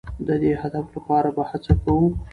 د دې هدف لپاره به هڅه کوو.